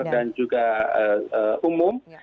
dan juga umum